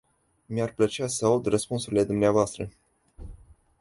Mi-ar plăcea să aud răspunsurile dvs.